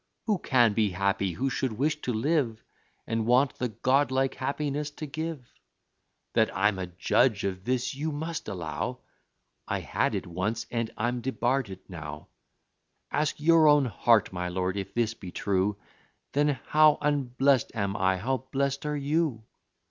Who can be happy who should wish to live, And want the godlike happiness to give? That I'm a judge of this, you must allow: I had it once and I'm debarr'd it now. Ask your own heart, my lord; if this be true, Then how unblest am I! how blest are you!"